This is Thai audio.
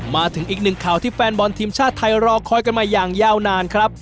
มาถึงอีกหนึ่งข่าวที่แฟนบอลทีมชาติไทยรอคอยกันมาอย่างยาวนานครับ